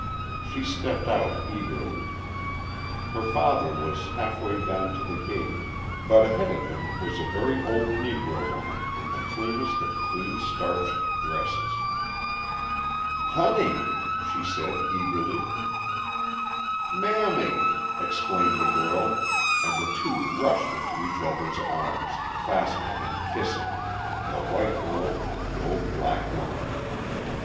She stepped out eagerly. Her father was halfway down to the gate; but ahead of him was a very old Negro woman in the cleanest of clean starched dresses. "Honey," she said eagerly. "Mammy!" exclaimed the girl, and the two rushed into each other's arms, clasping and kissing the white girl and the old black woman.